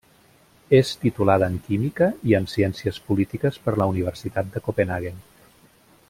És titulada en química i en ciències polítiques per la Universitat de Copenhaguen.